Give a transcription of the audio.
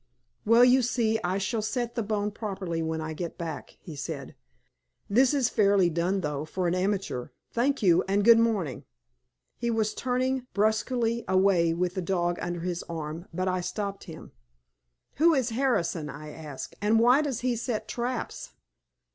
"Well, you see, I shall set the bone properly when I get back," he said. "This is fairly done, though, for an amateur. Thank you and good morning." He was turning brusquely away with the dog under his arm, but I stopped him. "Who is Harrison?" I asked, "and why does he set traps?"